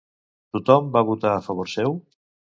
Tothom va votar a favor seu?